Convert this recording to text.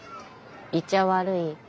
いちゃ悪い？